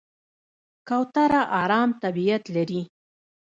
کوتره آرام طبیعت لري.